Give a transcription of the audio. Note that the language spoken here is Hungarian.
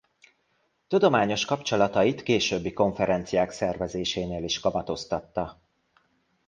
Tudományos kapcsolatait későbbi konferenciák szervezésénél is kamatoztatta.